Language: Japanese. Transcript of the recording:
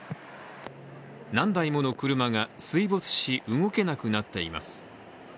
何台もの車が水没し、動けなくなっています。